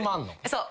そう。